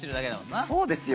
そうですよ。